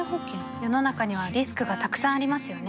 世の中にはリスクがたくさんありますよね